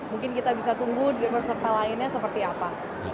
mungkin kita bisa tunggu peserta lainnya seperti apa